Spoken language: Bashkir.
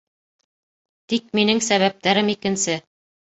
Тик минең сәбәптәрем икенсе.